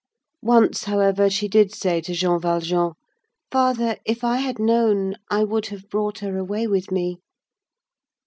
Once, however, she did say to Jean Valjean: "Father, if I had known, I would have brought her away with me."